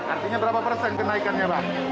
artinya berapa persen kenaikannya pak